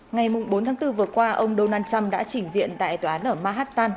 ngày bốn tháng bốn vừa qua ông donald trump đã chỉnh diện tại tòa án ở manhattan